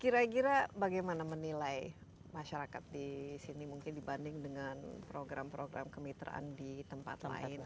kira kira bagaimana menilai masyarakat di sini mungkin dibanding dengan program program kemitraan di tempat lain